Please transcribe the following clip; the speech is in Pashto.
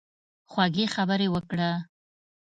خوږې خبرې وکړه.